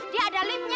dia ada limnya